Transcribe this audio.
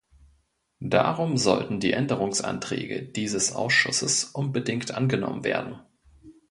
Darum sollten die Änderungsanträge dieses Ausschusses unbedingt angenommen werden.